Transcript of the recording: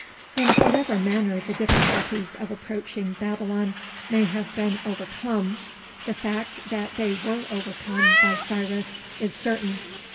In whatever manner the difficulties of approaching Babylon may have been overcome, the fact that they were overcome by Cyrus is certain.